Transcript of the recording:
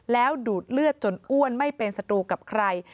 แล้วดูดเลือดจนอ้วนไม่เป็นศัตรูกับใคร